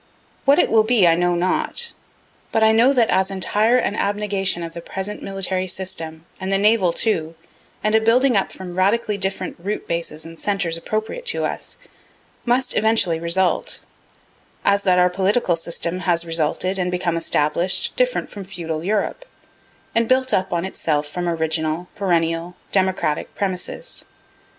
What it will be I know not but I know that as entire an abnegation of the present military system, and the naval too, and a building up from radically different root bases and centres appropriate to us, must eventually result, as that our political system has resulted and become establish'd, different from feudal Europe, and built up on itself from original, perennial, democratic premises.